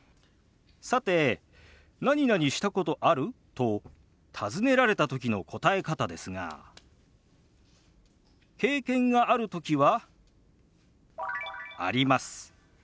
さて「なになにしたことある？」と尋ねられた時の答え方ですが経験がある時は「あります」。